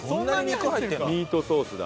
ミートソースだ。